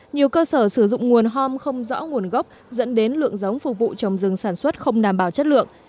nhiều cơ sở sử dụng nguồn hom không rõ nguồn gốc dẫn đến lượng giống phục vụ trồng rừng sản xuất không đảm bảo chất lượng